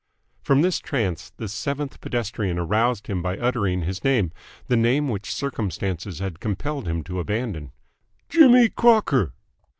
From this trance the seventh pedestrian aroused him by uttering his name, the name which circumstances had compelled him to abandon. "Jimmy Crocker!"